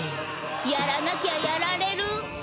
やらなきゃやられる。